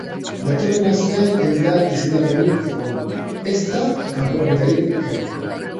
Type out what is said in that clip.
Datorren astean ez da izendapenik egongo, ezta kanporaketarik ere.